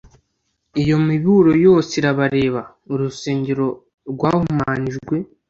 Iyo miburo yose irabareba. Urusengero rwahumanijwe,